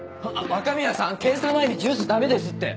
若宮さん検査前にジュースダメですって！